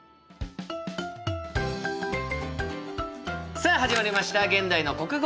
さあ始まりました「現代の国語」。